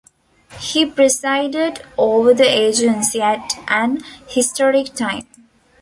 He presided over the agency at an historic time.